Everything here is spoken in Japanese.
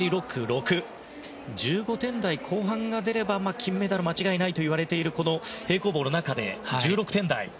１５点台後半が出れば金メダルは間違いないといわれているこの平行棒の中で１６点台。